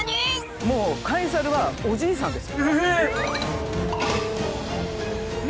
もうカエサルはおじいさんです。